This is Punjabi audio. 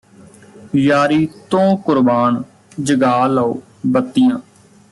ਯਾਰੀ ਤੋਂ ਕੁਰਬਾਨ ਜਗਾ ਲਉ ਬੱਤੀਆਂ